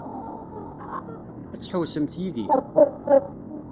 Ad tḥewwsemt yid-i?